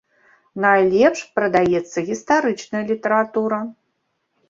Найлепш прадаецца гістарычная літаратура.